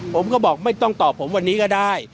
ผมก็บอกไม่ต้องตอบผมวันนี้ก็ได้